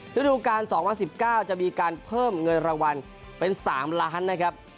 ฤดูการ๒๐๑๙จะมีการเพิ่มเงินรางวัลเป็น๓ล้านนะครับ